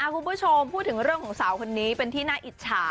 คุณผู้ชมพูดถึงเรื่องของสาวคนนี้เป็นที่น่าอิจฉา